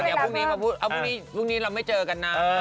เดี๋ยวพรุ่งนี้เราไม่เจอกันนะ